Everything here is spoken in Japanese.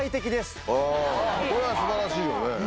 これは素晴らしいよね。